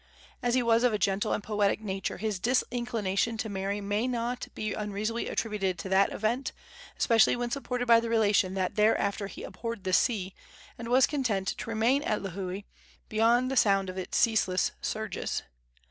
As he was of a gentle and poetic nature, his disinclination to marriage may not be unreasonably attributed to that event, especially when supported by the relation that thereafter he abhorred the sea, and was content to remain at Lihue, beyond the sound of its ceaseless surges.